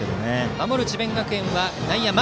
守る智弁学園は内野が前。